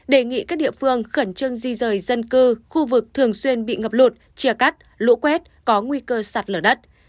đề nghị các địa phương khẩn trương di rời dân cư khu vực thường xuyên bị ngập lụt chia cắt lũ quét có nguy cơ sạt lở đất